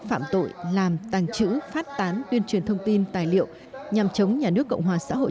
phạm tội làm tàng trữ phát tán tuyên truyền thông tin tài liệu nhằm chống nhà nước cộng hòa xã hội